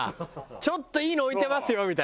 ちょっといいの置いてますよみたいな？